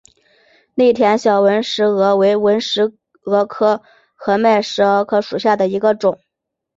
内田小纹石蛾为纹石蛾科合脉石蛾属下的一个种。